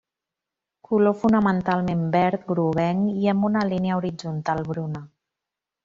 Color fonamentalment verd groguenc i amb una línia horitzontal bruna.